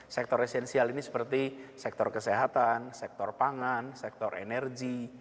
sektor esensial ini seperti sektor kesehatan sektor pangan sektor energi